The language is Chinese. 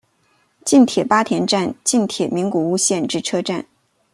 近铁八田站近铁名古屋线之车站。